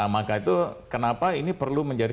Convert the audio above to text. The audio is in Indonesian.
maka itu kenapa ini perlu menjadi